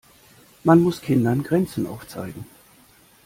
Man muss Kindern Grenzen aufzeigen.